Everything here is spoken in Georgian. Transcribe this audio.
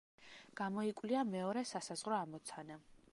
გამოიკვლია მეორე სასაზღვრო ამოცანა.